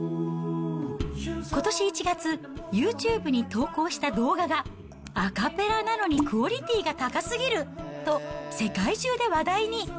ことし１月、ユーチューブに投稿した動画が、アカペラなのにクオリティーが高すぎる！と、世界中で話題に。